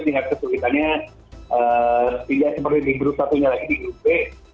tingkat kesulitannya tidak seperti di grup satunya lagi di grup b